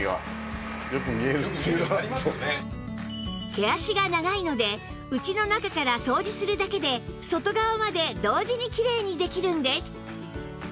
毛足が長いので家の中から掃除するだけで外側まで同時にきれいにできるんです